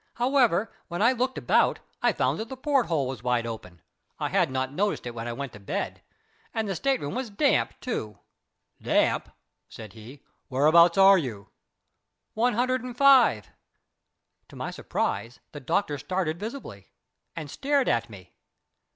"However, when I looked about, I found that the porthole was wide open. I had not noticed it when I went to bed. And the state room was damp, too." "Damp!" said he. "Whereabouts are you?" "One hundred and five " To my surprise the doctor started visibly, and stared at me.